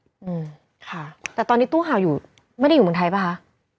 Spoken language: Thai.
อืมค่ะแต่ตอนนี้ตู้เห่าอยู่ไม่ได้อยู่เมืองไทยป่ะคะ